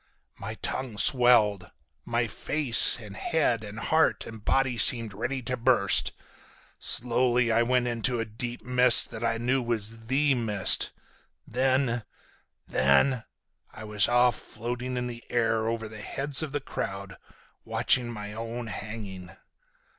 My tongue swelled, my face and head and heart and body seemed ready to burst. Slowly I went into a deep mist that I knew then was the mist, then—then—I was off floating in the air over the heads of the crowd, watching my own hanging!